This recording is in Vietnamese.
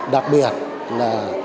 đặc biệt là